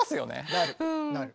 なるなる。